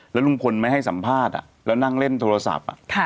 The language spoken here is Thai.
แล้วลุงพลไม่ให้สัมภาษณ์แล้วนั่งเล่นโทรศัพท์